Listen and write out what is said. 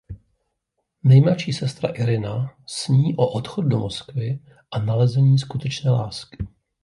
Nejmladší sestra Irina sní o odchodu do Moskvy a nalezení skutečné lásky.